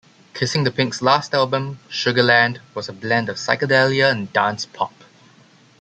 Kissing the Pink's last album, "Sugarland", was a blend of psychedelia and dance-pop.